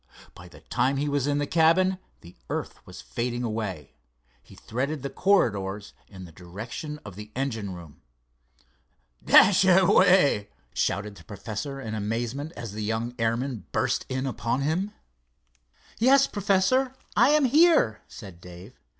By the time he was in the cabin the earth was fading away. He threaded the corridors in the direction of the engine room. "Dashaway!" shouted the professor in amazement, as the young airman burst in upon him. "Yes, Professor, I am here," said Dave.